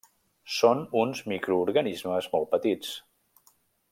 Són uns microorganismes molt petits.